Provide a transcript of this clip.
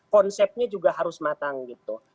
konsepnya juga harus matang gitu